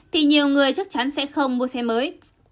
thì nhiều người chắc chắn sẽ không mua xe mới